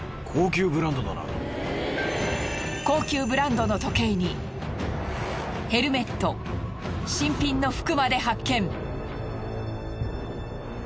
高級ブランドの時計にヘルメット新品の服まで発見。